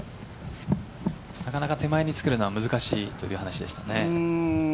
なかなか手前に作るのは難しいという話ですね。